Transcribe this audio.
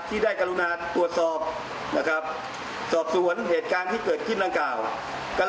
ที่ได้กรุณาตรวจสอบนะครับสอบสวนเหตุการณ์ที่เกิดขึ้นดังกล่าว